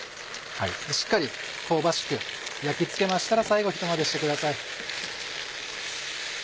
しっかり香ばしく焼き付けましたら最後ひと混ぜしてください。